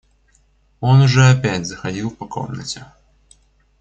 Он уже опять заходил по комнате.